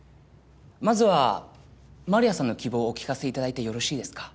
まずは丸谷さんの希望をお聞かせ頂いてよろしいですか？